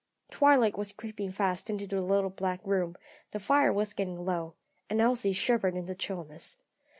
Twilight was creeping fast into the little back room; the fire was getting low, and Elsie shivered in the chillness.